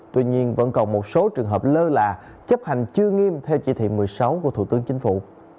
tuy nhiên vẫn còn một số trường hợp lơ là chấp hành chưa nghiêm theo chỉ thị một mươi sáu của thủ tướng chính phủ